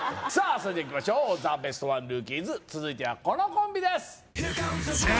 それではいきましょうザ・ベストワンルーキーズ続いてはこのコンビです